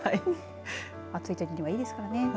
暑いときにはいいですからね。